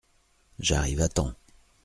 J’arrive à temps.